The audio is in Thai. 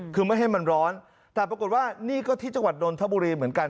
คือไม่ให้มันร้อนแต่ปรากฏว่านี่ก็ที่จังหวัดนนทบุรีเหมือนกัน